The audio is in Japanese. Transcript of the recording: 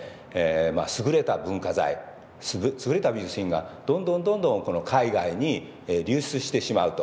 優れた文化財優れた美術品がどんどんどんどん海外に流出してしまうと。